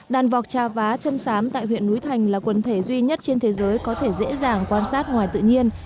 đàn vọc trà vá chân sám tại huyện núi thành là quần thể duy nhất trên thế giới có thể dễ dàng quan sát ngoài tự nhiên